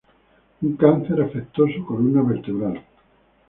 Un cáncer afectó su columna vertebral.